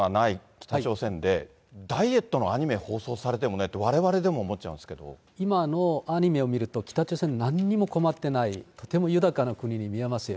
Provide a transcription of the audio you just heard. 北朝鮮で、ダイエットのアニメ放送されてるの見ると、今のアニメを見ると、北朝鮮、なんにも困ってない、とても豊かな国に見えますよね。